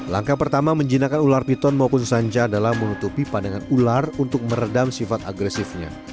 langkah pertama menjinakkan ular piton maupun sanja adalah menutupi pandangan ular untuk meredam sifat agresifnya